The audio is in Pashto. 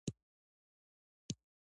په افغانستان کې چنګلونه ډېر اهمیت لري.